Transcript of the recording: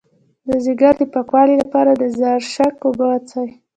د ځیګر د پاکوالي لپاره د زرشک اوبه وڅښئ